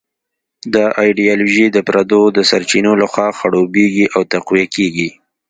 دا ایډیالوژي د پردو د سرچینو لخوا خړوبېږي او تقویه کېږي.